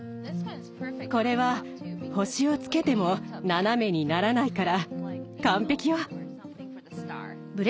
これは星をつけても斜めにならないから完璧よ。